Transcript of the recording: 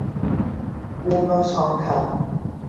পূর্ণ সংখ্যা